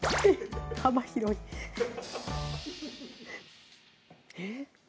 幅広いえぇ？